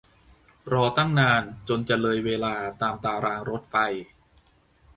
รอตั้งนานจนจะเลยเวลาตามตารรางรถไฟ